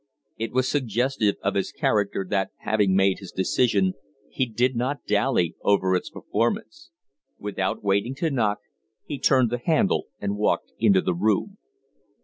It was suggestive of his character that, having made his decision, he did not dally over its performance. Without waiting to knock, he turned the handle and walked into the room.